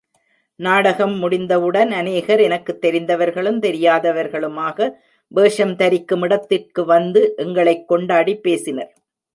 நாடகம் முடிந்தவுடன் அநேகர் எனக்குத் தெரிந்தவர்களும் தெரியாதவர்களுமாக வேஷம் தரிக்கும் இடத்திற்கு வந்து, எங்களைக் கொண்டாடிப் பேசினர்.